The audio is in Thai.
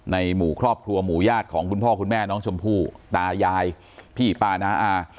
ในหมู่ครอบครัวหมู่ญาติของคุณพ่อคุณแม่น้องชมพู่ตายายพี่ป้าน้าอา